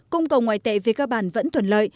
cung cầu ngoại tệ về cơ bản vẫn thuận lợi